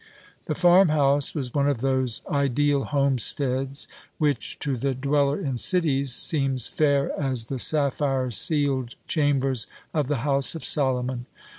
The farmhouse was one of those ideal homesteads which, to the dweller in cities, seems fair as the sapphire ceiled chambers of the house of Solomon.